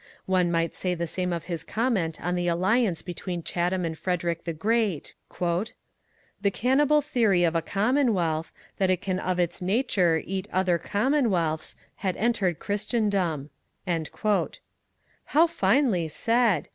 One might say the same of his comment on the alliance between Chatham and Frederick the Great: The cannibal theory of a commonwealth, that it can of its nature eat other commonwealths, had entered Christendom. How finely said!